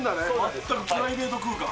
全くプライベート空間。